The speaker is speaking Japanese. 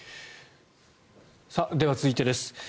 では続いてです。